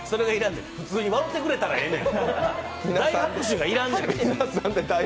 普通に笑ってくれたらええねん。